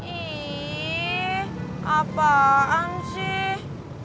ih apaan sih